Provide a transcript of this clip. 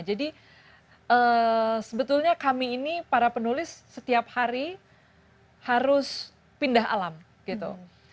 jadi sebetulnya kami ini para penulis setiap hari harus pindah alam gitu